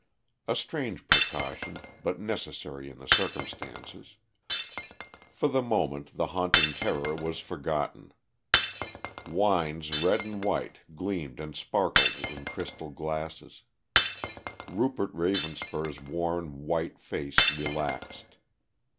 A strange precaution, but necessary in the circumstances. For the moment the haunting terror was forgotten. Wines red and white gleamed and sparkled in crystal glasses. Rupert Ravenspur's worn, white face relaxed.